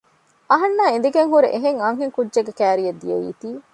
އަހަންނާ އިނދެގެންހުރެ އެހެން އަންހެން ކުއްޖެއް ކައިރިއަށް ދިޔައީތީ